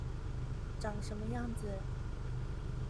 長什麼樣子